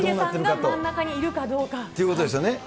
ヒデさんが真ん中にいるかどということですよね。